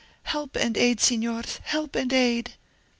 Help and aid, Signors! help and aid!"